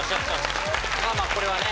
まぁまぁこれはね。